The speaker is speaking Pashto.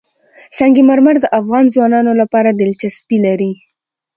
سنگ مرمر د افغان ځوانانو لپاره دلچسپي لري.